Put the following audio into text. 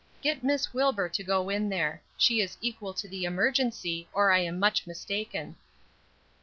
"Get Miss Wilbur to go in there; she is equal to the emergency, or I am much mistaken."